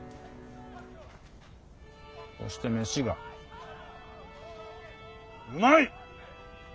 そして飯がうまい！